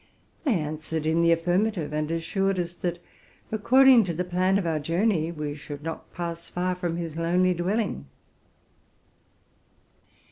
They answered in the affirmative, and assured us, that, according to the plan of our journey, we should not pass far from his lonely dwelling.